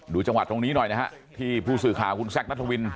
จังหวัดตรงนี้หน่อยนะฮะที่ผู้สื่อข่าวคุณแซคนัทวิน